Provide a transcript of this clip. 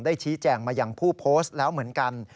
ชี้แจงมาอย่างผู้โพสต์แล้วเหมือนกัน